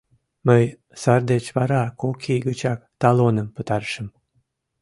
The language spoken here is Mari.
Мый сар деч вара кок ий гычак талоным пытарышым.